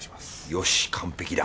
よし完璧だ！